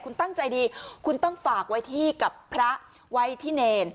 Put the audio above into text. คุณตั้งใจดีคุณต้องฝากไว้ที่กับพระไว้ที่เนร